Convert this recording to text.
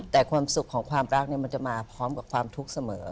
แต่ความสุขของความรักมันจะมาพร้อมกับความทุกข์เสมอ